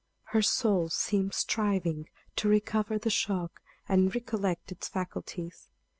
Her soul seemed striving to recover the shock, and recollect its faculties.